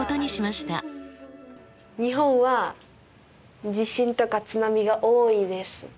日本は地震とか津波が多いです。